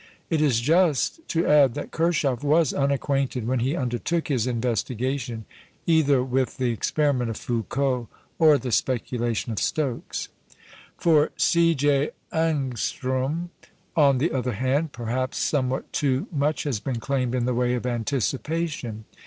It is just to add, that Kirchhoff was unacquainted, when he undertook his investigation, either with the experiment of Foucault or the speculation of Stokes. For C. J. Ångström, on the other hand, perhaps somewhat too much has been claimed in the way of anticipation.